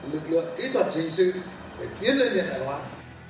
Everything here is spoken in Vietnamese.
lực lượng kỹ thuật hình sự phải tiến lên hiện đại hóa